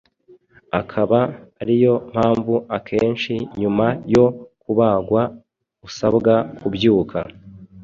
Akaba ariyo mpamvu akenshi nyuma yo kubagwa usabwa kubyuka